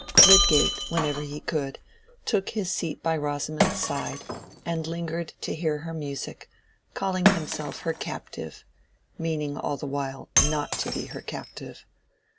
Lydgate, whenever he could, took his seat by Rosamond's side, and lingered to hear her music, calling himself her captive—meaning, all the while, not to be her captive.